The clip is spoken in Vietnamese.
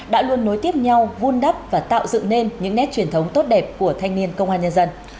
đã luôn nối tiếp nhau vun đắp và tạo dựng nên những nét truyền thống tốt đẹp của thanh niên công an nhân dân